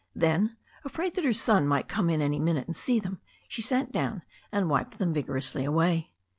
Then, afraid that her son might come in any minute and see them, she sat down and wiped them vigorously away.